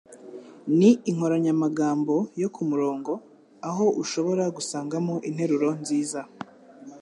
ni inkoranyamagambo yo kumurongo, aho ushobora gusangamo interuro nziza